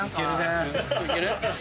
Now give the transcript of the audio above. いけるね。